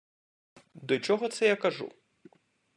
До чого це я кажу?